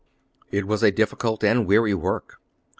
It was a difficult and weary work.